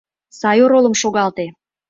Сай оролым шогалте.